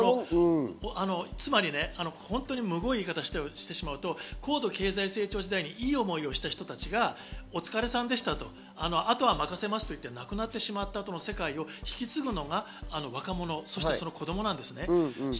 つまりね、酷い言い方をしてしまうと、高度経済成長時代にいい思いをした人たちがお疲れさんでしたと、あとは任せますといって、なくなってしまった後の世界で引き継ぐのが若者、そしてその子供です。